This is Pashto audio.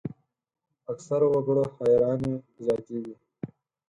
اکثرو وګړو حیراني زیاتېږي.